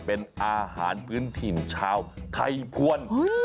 เป็นอาหารพื้นถิ่นชาวไทยภวร